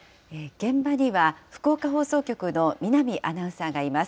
現場には福岡放送局の見浪アナウンサーがいます。